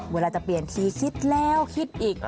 เวลาจะเปลี่ยนทีคิดแล้วคิดอีก